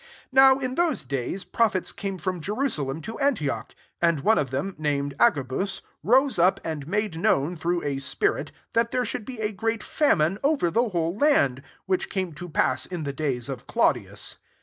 27 NOW in those days, pro phets came from Jerusalem to Antioch. 28 And one of them, named Agabus, rose up, and made known, through the spirit, that there should be a great fa mine over the whole land: which came to pass in the days of Claudius.